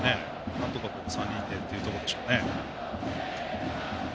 なんとか３人でというところでしょうね。